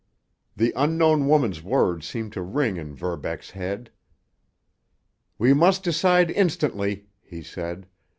The unknown woman's words seemed to ring in Verbeck's head. "We must decide instantly," he said.